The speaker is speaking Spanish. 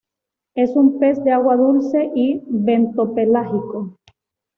Es un pez de agua dulce y bentopelágico.